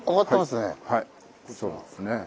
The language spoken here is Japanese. はいそうですね。